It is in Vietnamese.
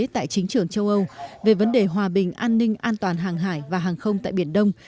tại chính trường châu âu về vấn đề hòa bình an ninh an toàn hàng hải và hàng không tại biển đông